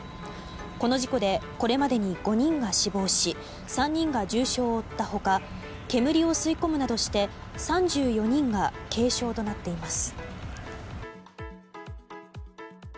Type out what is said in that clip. この事故でこれまでに５人が死亡し３人が重傷を負った他煙を吸い込むなどして３４人が軽傷となっています。